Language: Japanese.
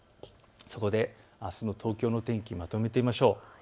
そこであすの東京の天気をまとめてみましょう。